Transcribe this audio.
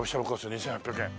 ２８００円。